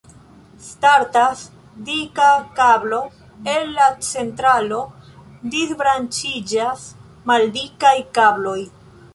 Startas dika kablo el la centralo, disbranĉiĝas maldikaj kabloj.